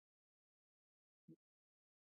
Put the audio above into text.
پرونی ذهنیت په تحلیل کې خورا ناتوانه دی.